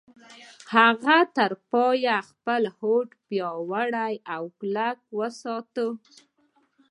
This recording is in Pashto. هغه تر پايه خپل هوډ پياوړی او کلک وساته.